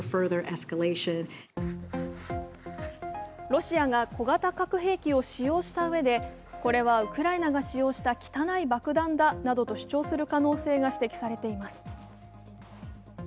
ロシアが小型核兵器を使用したうえで、これはウクライナが使用した汚い爆弾だなどと主張する可能性が指摘されています。